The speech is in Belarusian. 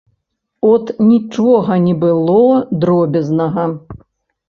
От нічога не было дробязнага.